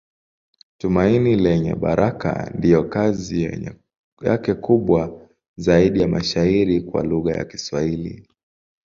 Tumaini Lenye Baraka ndiyo kazi yake kubwa zaidi ya mashairi kwa lugha ya Kiswahili.